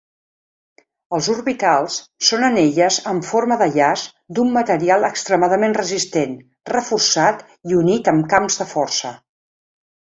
Els orbitals són anelles amb forma de llaç d'un material extremadament resistent reforçat i unit amb camps de força.